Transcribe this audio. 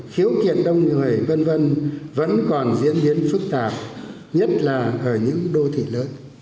khiếu kiện đông người v v vẫn còn diễn biến phức tạp nhất là ở những đô thị lớn